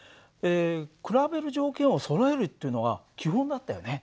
比べる条件をそろえるっていうのが基本だったよね。